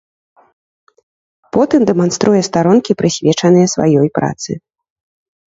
Потым дэманструе старонкі, прысвечаныя сваёй працы.